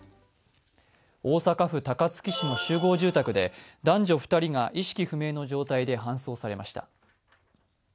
大阪府高槻市の集合住宅で男女２人が意識不明の状態で搬送されました。